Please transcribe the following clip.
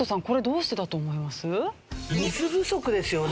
これどうしてだと思います？